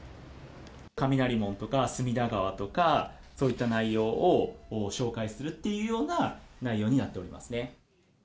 雷門とか隅田川とか、そういった内容を紹介するっていうような内容になっておりますね。